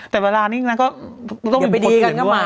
อย่าไปดีกันกับหมาเลย